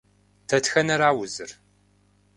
Дэтхэнэра узыр?